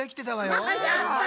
やった！